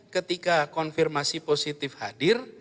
ketika konfirmasi positif hadir